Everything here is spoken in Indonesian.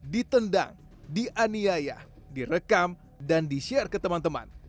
di tendang di aniaya di rekam dan di share ke teman teman